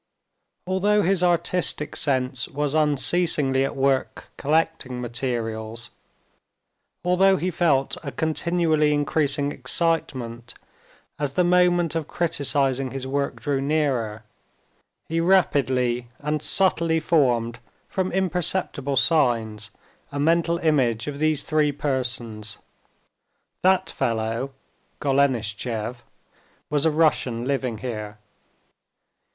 Although his artistic sense was unceasingly at work collecting materials, although he felt a continually increasing excitement as the moment of criticizing his work drew nearer, he rapidly and subtly formed, from imperceptible signs, a mental image of these three persons. That fellow (Golenishtchev) was a Russian living here.